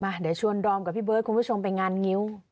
เดี๋ยวชวนดอมกับพี่เบิร์ดคุณผู้ชมไปงานงิ้ว